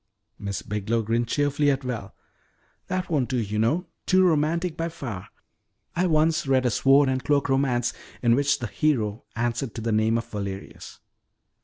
Miss Biglow grinned cheerfully at Val. "That won't do, you know; too romantic by far. I once read a sword and cloak romance in which the hero answered to the name of Valerius."